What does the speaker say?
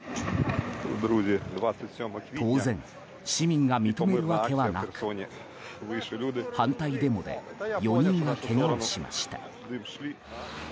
当然、市民が認めるわけはなく反対デモで４人がけがをしました。